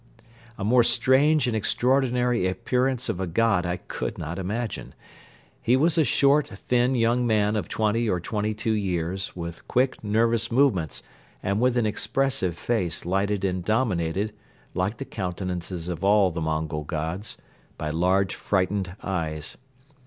A more strange and extraordinary appearance of a god I could not imagine. He was a short, thin young man of twenty or twenty two years with quick, nervous movements and with an expressive face lighted and dominated, like the countenances of all the Mongol gods, by large, frightened eyes.